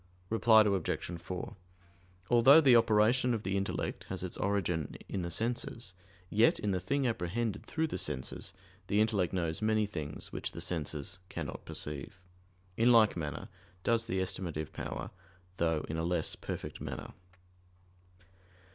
Reply Obj. 4: Although the operation of the intellect has its origin in the senses: yet, in the thing apprehended through the senses, the intellect knows many things which the senses cannot perceive. In like manner does the estimative power, though in a less perfect manner.